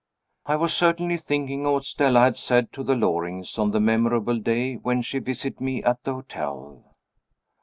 I was certainly thinking of what Stella had said of the Lorings on the memorable day when she visited me at the hotel.